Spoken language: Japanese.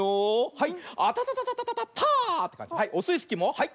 はいオスイスキーもはい。